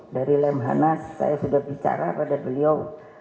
dari lemhanas saya sudah bicara pada beliau